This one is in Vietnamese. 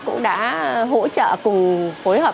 cũng đã hỗ trợ cùng phối hợp